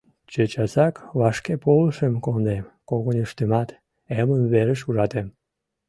Чечасак вашкеполышым кондем, когыньыштымат эмлымверыш ужатем.